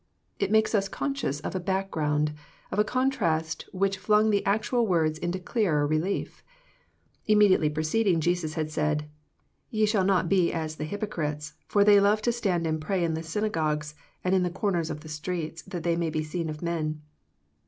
It makes us conscious of a background, of a contrast which flung the actual words into clearer relief. Immediately preceding Jesus had said, " Ye shall not be as the hypocrites ; for they love to stand and pray in the synagogues and in the corners of the streets, that they may be seen of men."